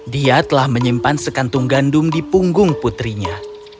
dia telah menyimpan sekantung gandum di punggung putrinya